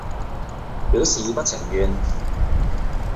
表示不情願